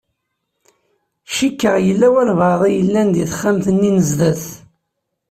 Cukkeɣ yella walebɛaḍ i yellan di texxamt-nni n zdat.